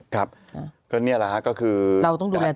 ครับก็นี่แหละฮะก็คือเราต้องดูแล